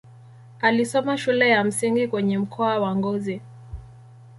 Alisoma shule ya msingi kwenye mkoa wa Ngozi.